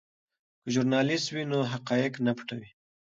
که ژورنالیست وي نو حقایق نه پټیږي.